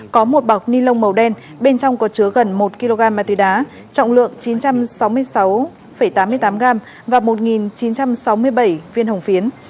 có một bọc ni lông màu đen bên trong có chứa gần một kg ma túy đá trọng lượng chín trăm sáu mươi sáu tám mươi tám gram và một chín trăm sáu mươi bảy viên hồng phiến